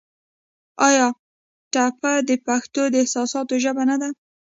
آیا ټپه د پښتو د احساساتو ژبه نه ده؟